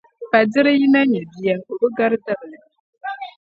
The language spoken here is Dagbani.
falidira yi na nyɛ bia o bi gari dabili.